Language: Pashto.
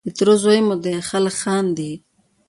د تره زوی مو دی خلک خاندي.